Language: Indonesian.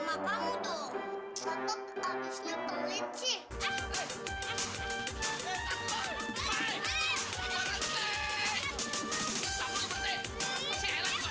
ezang kaji status itu itu sesuai